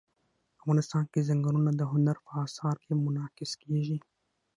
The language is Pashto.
افغانستان کې ځنګلونه د هنر په اثار کې منعکس کېږي.